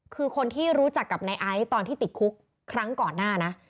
คือคนที่รู้จักกับนายไอซ์ตอนที่ติดคุกครั้งก่อนหน้านะ